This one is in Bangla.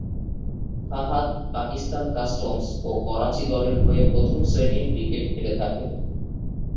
ফাহাদ পাকিস্তান কাস্টমস ও করাচি দলের হয়ে প্রথম শ্রেনীর ক্রিকেট খেলে থাকেন।